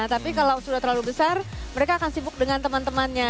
tapi kalau sudah terlalu besar mereka akan sibuk dengan teman temannya